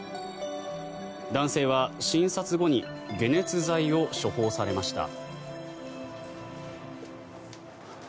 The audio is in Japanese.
男性は診察後に解熱剤を処方されました。